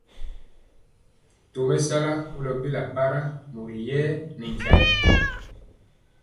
Tomesala kolo bela para mori yɛɛ nɛ ntaya.